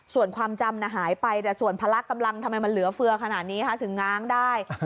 ส่วนความจำหายไปแต่ส่วนพละกำลังทำไมมันเหลือเฟือขนาดนี้ถึงง้างได้